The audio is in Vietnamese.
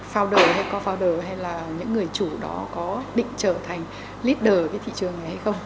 founder hay co founder hay là những người chủ đó có định trở thành leader cái thị trường này hay không